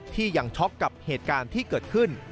ที่ยังช็อกกับเหตุการณ์ที่เกิดขึ้น